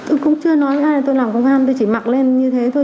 tôi cũng chưa nói với ai tôi làm công an tôi chỉ mặc lên như thế thôi